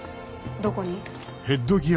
どこに？